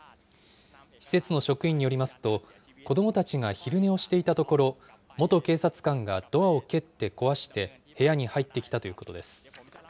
施設の職員によりますと、子どもたちが昼寝をしていたところ、元警察官がドアを蹴って壊して部屋に入ってきたということです。